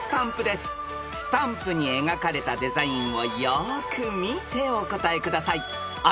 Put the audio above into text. ［スタンプに描かれたデザインをよく見てお答えください］